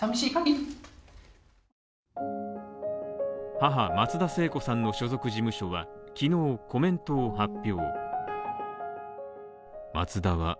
母・松田聖子さんの所属事務所は昨日、コメントを発表。